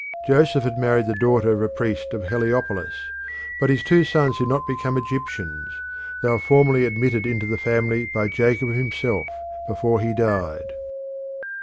Joseph had married the daughter of a priest of Heliopolis, but his two sons did not become Egyptians; they were formally admitted into the family by Jacob himself before he died.